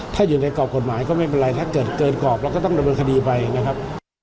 ถ้าอยู่ในกรอบกฎหมายก็ไม่เป็นไรถ้าเกิดเกินกรอบเราก็ต้องดำเนินคดีไปนะครับ